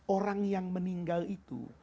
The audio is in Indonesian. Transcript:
orang yang meninggal itu